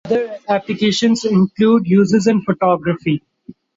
Other applications include uses in photography.